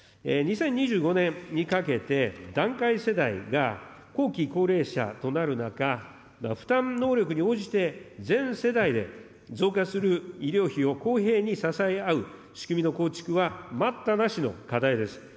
２０２５年にかけて、団塊世代が後期高齢者となる中、負担能力に応じて全世代で増加する医療費を公平に支え合う仕組みの構築は待ったなしの課題です。